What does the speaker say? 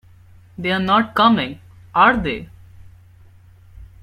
They're not coming, are they?